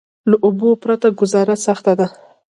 له اوبو پرته ګذاره سخته ده.